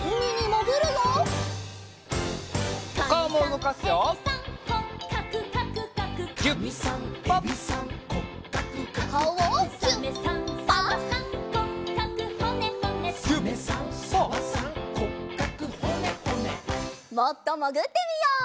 もっともぐってみよう。